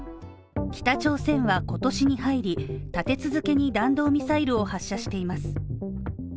北朝鮮は今年に入り立て続けに弾道ミサイルを発射しています。